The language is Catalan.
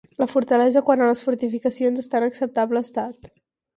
La fortalesa quant a les fortificacions està en acceptable estat.